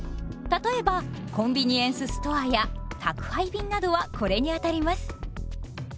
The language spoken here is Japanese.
例えばコンビニエンスストアや宅配便などはこれにあたります。